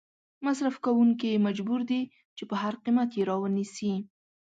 مصرف کوونکې مجبور دي چې په هر قیمت یې را ونیسي.